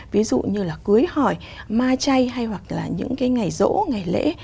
ví dụ như là cưới hỏi ma chay hay hoặc là những cái ngày rỗ ngày lễ